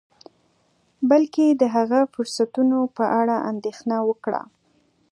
بلکې د هغه فرصتونو په اړه اندیښنه وکړه